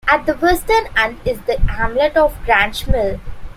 At the western end is the hamlet of Grangemill.